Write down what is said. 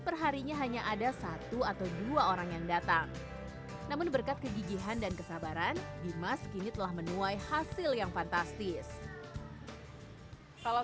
rasanya ya rasanya itu dagingnya empuk